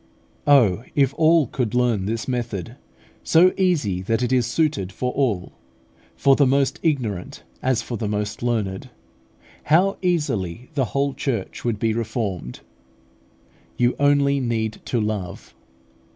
Oh, if all could learn this method, so easy that it is suited for all, for the most ignorant as for the most learned, how easily the whole Church would be reformed! You only need to love.